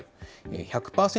１００％